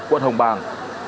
quận hồng bàng